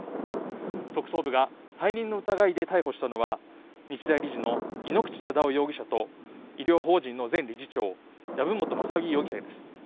特捜部が背任の疑いで逮捕したのは日大理事の井ノ口忠男容疑者と医療法人の前理事長藪本雅巳容疑者です